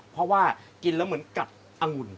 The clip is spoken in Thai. เพราะว่ากินแล้วเหมือนกับองุ่น